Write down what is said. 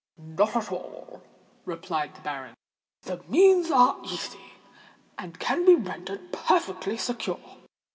"Not at all," replied the baronet. "The means are easy, and can be rendered perfectly secure.